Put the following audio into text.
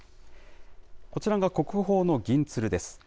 こちらが国宝の銀鶴です。